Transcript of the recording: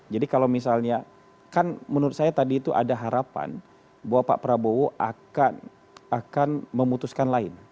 jadi kalau misalnya kan menurut saya tadi itu ada harapan bahwa pak prabowo akan memutuskan lain